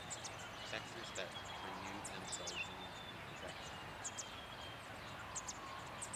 Sectors that renewed themselves need to be protected.